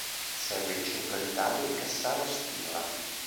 Serve il centro abitato di Cassano Spinola.